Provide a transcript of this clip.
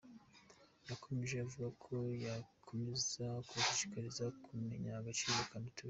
Yakomje avuga ko hakomeza kubashishikariza kumenya agaciro ka mitiweli.